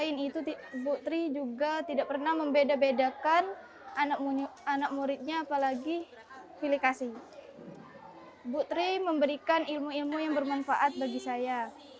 ibu tri memberikan ilmu ilmu yang bermanfaat bagi saya